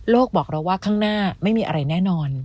บอกเราว่าข้างหน้าไม่มีอะไรแน่นอน